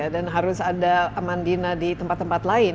dan harus ada mandina di tempat tempat lain